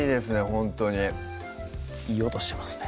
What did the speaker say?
ほんとにいい音してますね